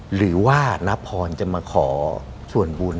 หรือว่าน้าพรจะมาขอส่วนบุญ